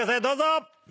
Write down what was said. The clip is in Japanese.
どうぞ！